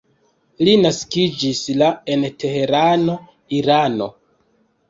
Li naskiĝis la en Teherano, Irano.